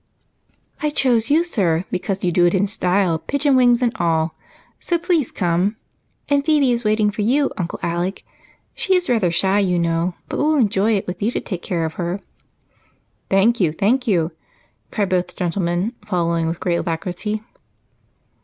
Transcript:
I chose you, sir, because you do it in style, pigeon wings and all. So, please come and Phebe is waiting for you, Uncle Alec. She is rather shy you know, but will enjoy it with you to take care of her." "Thank you, thank you!" cried both gentlemen, following with great alacrity.